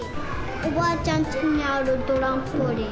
おばあちゃんちにあるトランポリン。